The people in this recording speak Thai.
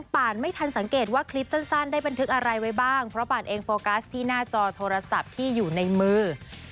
ป่านไม่ทันสังเกตว่าคลิปสั้นได้บันทึกอะไรไว้บ้างเพราะป่านเองโฟกัสที่หน้าจอโทรศัพท์ที่อยู่ในมือ